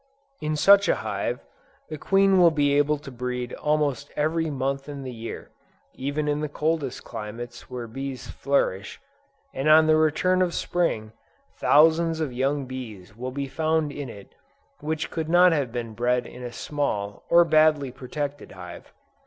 In such a hive, the queen will be able to breed almost every month in the year, even in the coldest climates where bees flourish, and on the return of Spring, thousands of young bees will be found in it, which could not have been bred in a small, or badly protected hive.